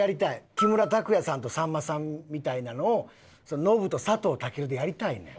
木村拓哉さんとさんまさんみたいなのをノブと佐藤健でやりたいねん。